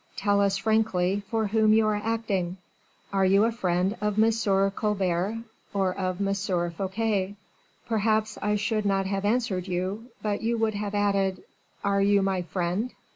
Tell us frankly, for whom you are acting. Are you a friend of M. Colbert, or of M. Fouquet?' Perhaps I should not have answered you, but you would have added, 'Are you my friend?